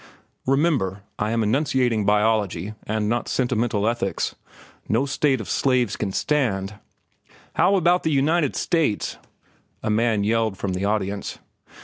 "Remember, I am enunciating biology and not sentimental ethics. No state of slaves can stand—" "How about the United States?" a man yelled from the audience.